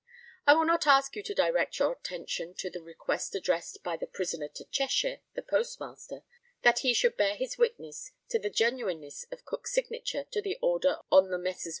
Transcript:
I will not ask you to direct your attention to the request addressed by the prisoner to Cheshire, the postmaster, that he should bear his witness to the genuineness of Cook's signature to the order on the Messrs.